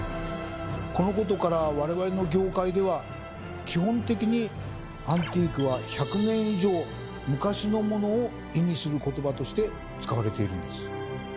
このことから我々の業界では基本的に「アンティーク」は「１００年以上昔のモノ」を意味する言葉として使われているんです。